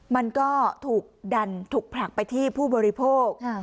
มันก็ถูกดันถูกผลักไปที่ผู้บริโภค